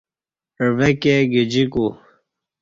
عویکہ گجیکو